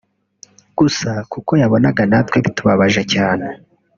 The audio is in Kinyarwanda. Gusa kuko yabonaga natwe bitubabaje cyane